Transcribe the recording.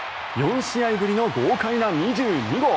４試合ぶりの豪快な２２号。